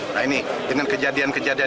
nah ini dengan kejadian kejadian